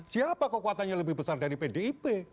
siapa kekuatannya lebih besar dari pdip